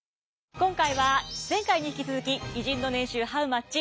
今回は前回に引き続き「偉人の年収Ｈｏｗｍｕｃｈ？」